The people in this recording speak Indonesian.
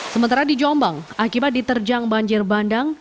sementara di jombang akibat diterjang banjir bandang